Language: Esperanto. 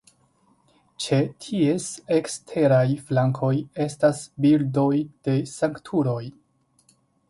Ĉe ties eksteraj flankoj estas bildoj de sanktuloj.